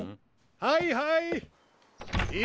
はいはい。